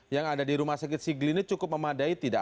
yang ada di rumah sakit sigli ini cukup memadai tidak